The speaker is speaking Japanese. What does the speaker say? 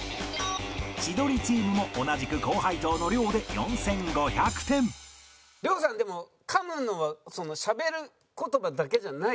千鳥チームも同じく高配当の亮で４５００点亮さんでも噛むのはしゃべる言葉だけじゃないからね。